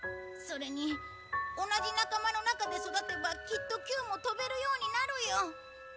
それに同じ仲間の中で育てばきっとキューも飛べるようになるよ。